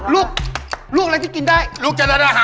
ลูกถูกทำแล้ว